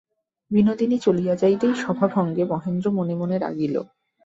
বিনোদিনী চলিয়া যাইতেই সভাভঙ্গে মহেন্দ্র মনে মনে রাগিল।